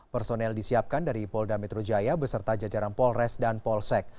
personel disiapkan dari polda metro jaya beserta jajaran polres dan polsek